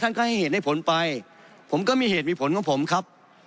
ท่านก็ให้เหตุให้ผลไปผมก็มีเหตุมีผลของผมครับ